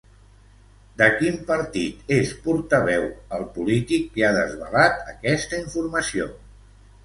De quin partit és portaveu el polític que ha desvelat aquesta informació?